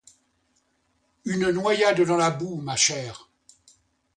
Une noyade dans la boue, ma chère.